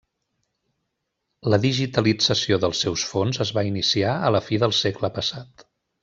La digitalització dels seus fons es va iniciar a la fi del segle passat.